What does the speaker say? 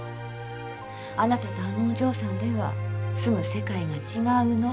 あなたとあのお嬢さんでは住む世界が違うの。